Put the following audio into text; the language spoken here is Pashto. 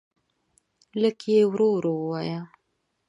لږ یی ورو ورو وایه